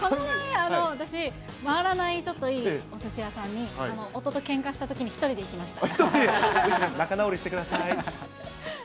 この前私、回らないちょっといいおすし屋さんに、夫とけんかしたときに一人で行きました。